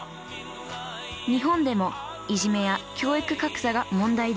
日本でもいじめや教育格差が問題です。